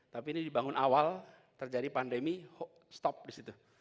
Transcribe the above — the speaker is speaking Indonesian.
tapi ini dibangun awal terjadi pandemi stop di situ